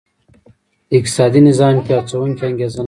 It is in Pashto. د اقتصادي نظام کې هڅوونکې انګېزه نه وه.